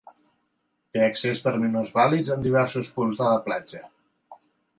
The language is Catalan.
Té accés per a minusvàlids en diversos punts de la platja.